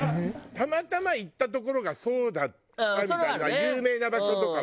たまたま行った所がそうだったみたいな有名な場所とかはあるけど。